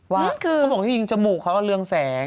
ว่าเขาบอกจริงจมูกเขาก็เรืองแสง